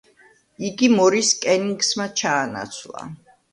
იგი მორის ჯენინგსმა ჩაანაცვლა.